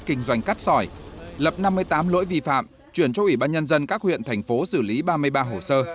kinh doanh cắt sỏi lập năm mươi tám lỗi vi phạm chuyển cho ủy ban nhân dân các huyện thành phố xử lý ba mươi ba hồ sơ